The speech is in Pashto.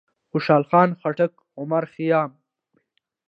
خوشحال خان خټک، عمر خيام،